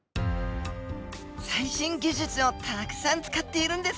最新技術をたくさん使っているんですね。